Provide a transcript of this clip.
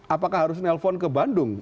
apakah harus nelfon ke bandung